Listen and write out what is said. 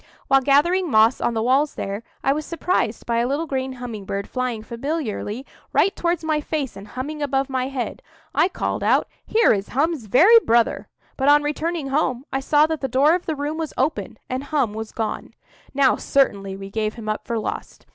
While gathering moss on the walls there, I was surprised by a little green humming bird flying familiarly right towards my face and humming above my head. I called out, "Here is Hum's very brother." But, on returning home, I saw that the door of the room was open, and Hum was gone. Now certainly we gave him up for lost.